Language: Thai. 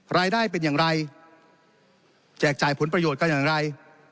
รายได้เป็นอย่างไรแจกจ่ายผลประโยชน์กันอย่างไร